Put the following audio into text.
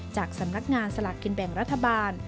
จากสำนักงานสลากกินแบ่งรัฐบาล